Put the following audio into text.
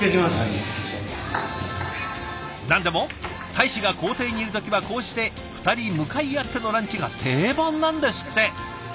何でも大使が公邸にいる時はこうして２人向かい合ってのランチが定番なんですって。